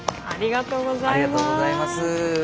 ありがとうございます。